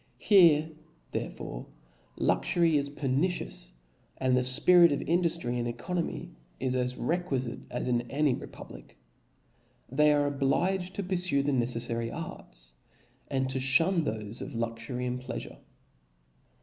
Here therefore luxury is pernicious, and the fpirit of induftry and oeconomy is as requiBte, as in any republic *. They are obliged to purfue the. neccf* fary arts, and to fhun thofe of luxury and plea fure.